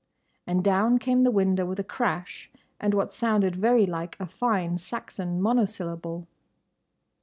And down came the window with a crash and what sounded very like a fine Saxon monosyllable.